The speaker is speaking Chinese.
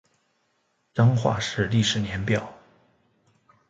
彰化市历史年表